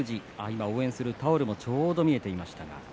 今、応援するタオルもちょうど見えていました。